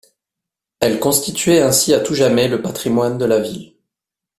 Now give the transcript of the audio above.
Elles constituaient ainsi à tout jamais le patrimoine de la ville.